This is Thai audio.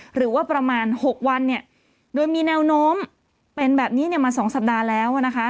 หรือว่าประมาณ๖วันเนี่ยโดยมีแนวโน้มเป็นแบบนี้มา๒สัปดาห์แล้วนะคะ